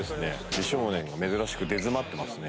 美少年が珍しく出詰まってますね。